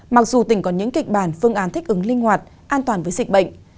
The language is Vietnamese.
mặc dù tỉnh còn những kịch bản phương án thích ứng linh hoạt an toàn với dịch bệnh